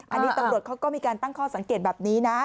อันนี้ตำรวจเขาก็มีการตั้งข้อสังเกตแบบนี้นะ